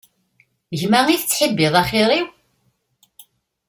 Gma i tettḥibbiḍ axir-iw?